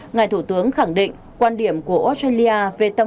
ngài thủ tướng khẳng định quan điểm của australia về tầm quan trọng